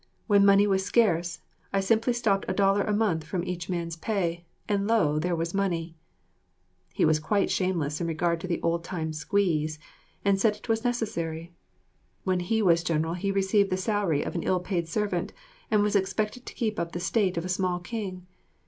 When money was scarce, I simply stopped a dollar a month from each man's pay, and, lo, there was the money." He was quite shameless in regard to the old time "squeeze" and said it was necessary. When he was general he received the salary of an ill paid servant and was expected to keep up the state of a small king.